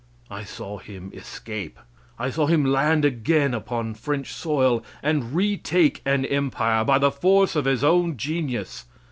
I saw him escape. I saw him land again upon French soil, and retake an empire by the force of his own genius.